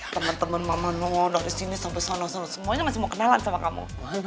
teman teman mama no dari sini sampai sono solo semuanya masih mau kenalan sama kamu